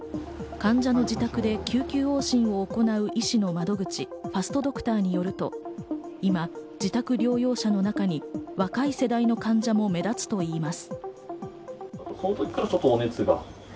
患者の自宅で救急往診を行う医師の窓口、ファストドクターによると、今、自宅療養者の中に若い世代の患者も目立つといいます。